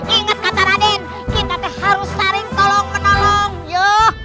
ingat kata raden kita harus sering tolong kenolong ya